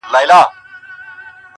بل دي هم داسي قام لیدلی چي سبا نه لري؟!